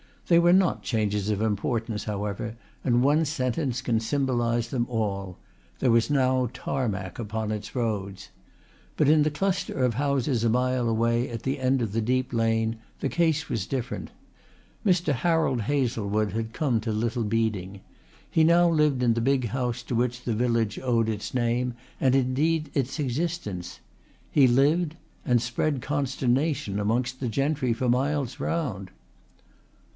They were not changes of importance, however, and one sentence can symbolize them all there was now tarmac upon its roads. But in the cluster of houses a mile away at the end of the deep lane the case was different. Mr. Harold Hazlewood had come to Little Beeding. He now lived in the big house to which the village owed its name and indeed its existence. He lived and spread consternation amongst the gentry for miles round.